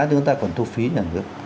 thì chúng ta còn thu phí nhà nước